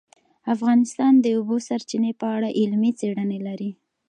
افغانستان د د اوبو سرچینې په اړه علمي څېړنې لري.